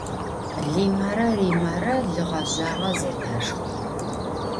Limere Rimere lı ğezjüağe zedaşşxı.